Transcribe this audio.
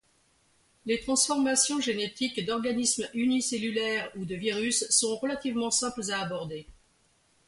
Les transformations génétiques d'organismes unicellulaires ou de virus sont relativement simples à aborder.